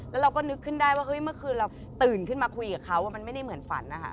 แล้วเราก็นึกขึ้นได้ว่าเฮ้ยเมื่อคืนเราตื่นขึ้นมาคุยกับเขามันไม่ได้เหมือนฝันนะคะ